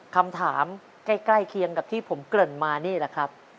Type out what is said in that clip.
คำถามใกล้เคียงกับที่ผมเกริ่นมานี่แหละครับ